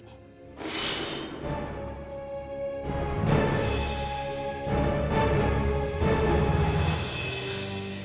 aku akan datang membalasmu